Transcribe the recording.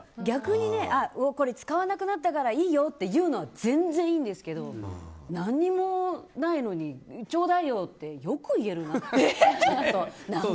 逆に使わなくなったからいいよっていうのは全然いいんですけど何もないのにちょうだいよってよく言えるなって。